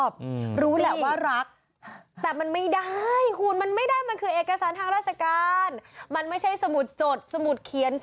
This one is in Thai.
ปั๊มอะไรเนี่ย